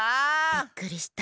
びっくりした。